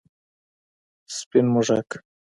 سپین موږک 🐁